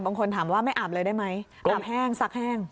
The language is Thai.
บางคนถามว่าไม่อาบเลยได้ไหมอาบแห้งซักแห้ง